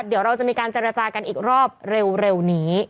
เดี๋ยวเราจะมีการเจรจากันอีกรอบเร็วนี้